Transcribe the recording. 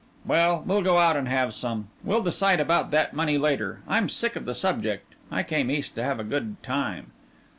"Well, we'll go out and have some. We'll decide about that money later. I'm sick of the subject. I came East to have a good time.